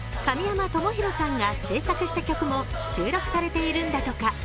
神山智洋さんが制作した曲も収録されているんだとか。